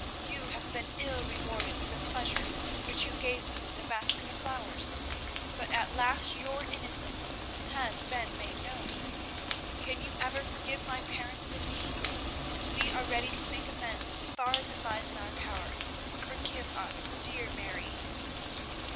You have been ill rewarded for the pleasure which you gave me with the basket of flowers, but at last your innocence has been made known. Can you ever forgive my parents and me? We are ready to make amends as far as it lies in our power. Forgive us, dear Mary."